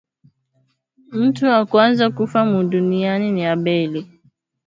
Mutu wa kwanza kufa mu dunia ni Abeli